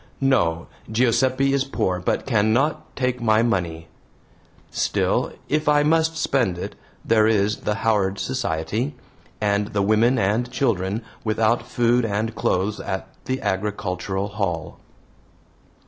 No! Giuseppe is poor, but cannot take my money. Still, if I must spend it, there is the Howard Society, and the women and children without food and clothes at the Agricultural Hall.